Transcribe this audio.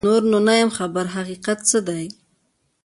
نور نو نه یمه خبر حقیقت څه دی